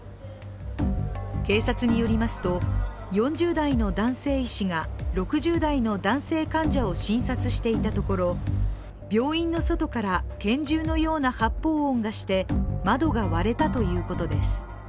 警察によりますと４０代の男性医師が６０代の男性患者を診察していたところ、病院の外から拳銃のような発砲音がして、窓が割れたということです。